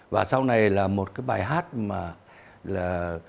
và sau này là một cái bài hát mà là